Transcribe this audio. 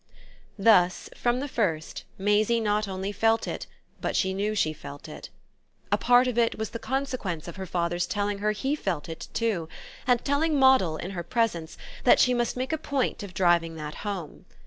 Thus from the first Maisie not only felt it, but knew she felt it. A part of it was the consequence of her father's telling her he felt it too, and telling Moddle, in her presence, that she must make a point of driving that home.